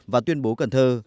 và tuyên bố cần thơ